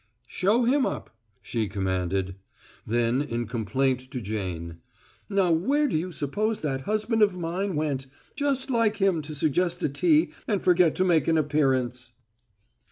"Show him up!" she commanded; then in complaint to Jane: "Now where do you suppose that husband of mine went? Just like him to suggest a tea and forget to make an appearance."